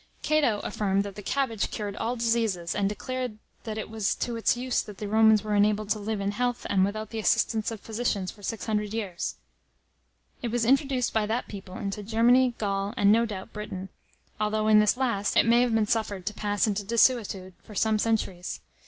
Cato affirmed, that the cabbage cured all diseases, and declared, that it was to its use that the Romans were enabled to live in health and without the assistance of physicians for 600 years. It was introduced by that people into Germany, Gaul, and, no doubt, Britain; although, in this last, it may have been suffered to pass into desuetude for some centuries.